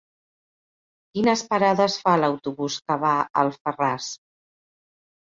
Quines parades fa l'autobús que va a Alfarràs?